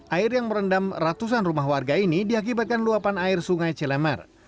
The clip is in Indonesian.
air yang merendam ratusan rumah warga ini diakibatkan luapan air sungai cilemer